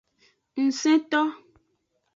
Ngsento.